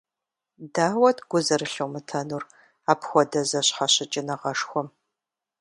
Дауэт гу зэрылъумытэнур апхуэдэ зэщхьэщыкӀыныгъэшхуэм?